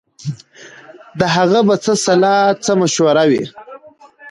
د هغه به څه سلا څه مشوره وي